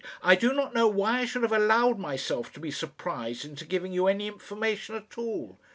"I do not know why I should have allowed myself to be surprised into giving you any information at all.